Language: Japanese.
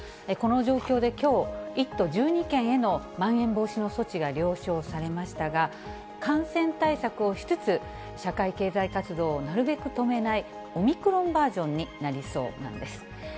この状況できょう、１都１２県へのまん延防止の措置が了承されましたが、感染対策をしつつ、社会経済活動をなるべく止めないオミクロンバージョンになりそうなんです。